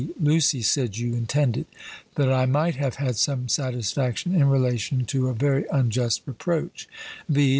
Lucy said you intended, that I might have had some satisfaction in relation to a very unjust reproach viz.